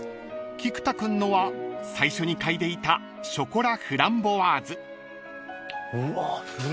［菊田君のは最初に嗅いでいたショコラフランボワーズ］